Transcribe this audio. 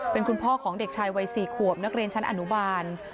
เป็นคุณพ่อของเด็กชายวัย๔ขวบนักเรียนชั้นอนุบาล